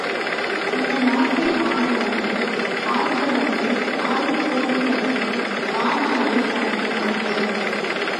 இந்த நாட்டை ஆண்டவர்கள், ஆள்பவர்கள், ஆளப்போகிறவர்கள் மாநாடு நடத்தினார்கள்.